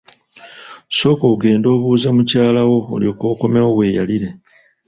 Sooka ogende obuuze mukyala wo olyoke okomewo weeyalire.